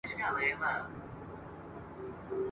« اتفاق په پښتانه کي پیدا نه سو!.